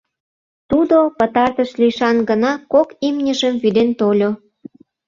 Тудо пытартыш лийшан гына кок имньыжым вӱден тольо.